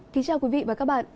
xin chào quý vị và các bạn